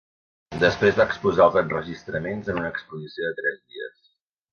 Després va exposar els enregistraments en una exposició de tres dies.